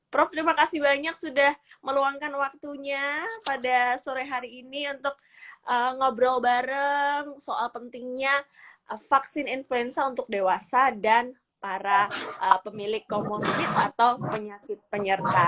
prof terima kasih banyak sudah meluangkan waktunya pada sore hari ini untuk ngobrol bareng soal pentingnya vaksin influenza untuk dewasa dan para pemilik komorbid atau penyakit penyerta